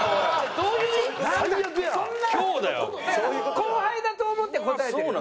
後輩だと思って答えてるよね？